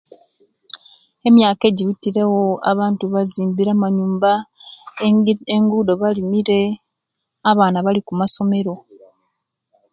Emiyaka ejibitirewo abantu bazimbire amanyumba ,engudo balimire, abaana Bali kumasomero,